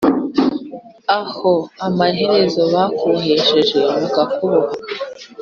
aho amaherezo bakubohesheje bakakuboha;